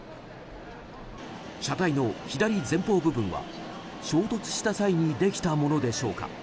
車体の左前方部分は衝突した際にできたものでしょうか。